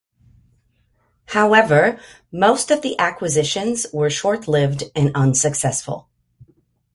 However, most of the acquisitions were short-lived and unsuccessful.